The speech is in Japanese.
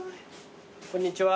こんにちは。